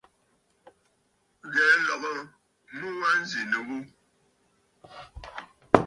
Ghɛ̀ɛ nlɔgə mu wa nzì nɨ ghu.